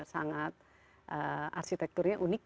sangat arsitekturnya udah bagus gitu